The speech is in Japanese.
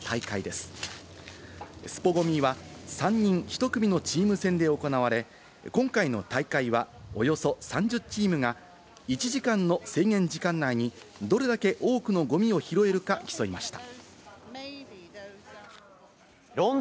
ＧＯＭＩは３人１組のチーム戦で行われ、今回の大会はおよそ３０チームが１時間の制限時間内にどれだけ多くのゴミを拾えるか競いました。